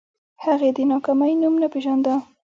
هغې د ناکامۍ نوم نه پېژانده